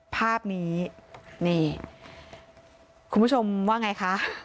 ภาพนี้นี่คุณผู้ชมว่าไงคะ